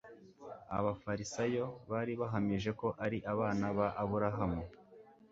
Abafarisayo bari bahamije ko ari abana ba Aburahamu.